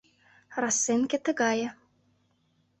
Расценке тыгае...